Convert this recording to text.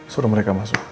suruh mereka masuk